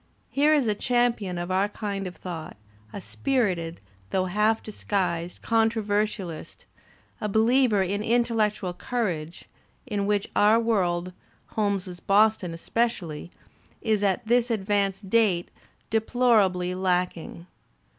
Here is a champion of our kind of thought, a spirited, though ] half disguised controversialist, a believer in intellectual • courage, in which our world, Hohnes's Boston especially, is, at ^this advanced date, deplorably lacking.